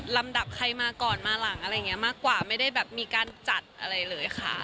ลำดับใครมาก่อนมาหลังอะไรอย่างนี้มากกว่าไม่ได้แบบมีการจัดอะไรเลยค่ะ